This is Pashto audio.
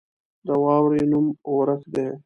د واورې نوم اورښت دی.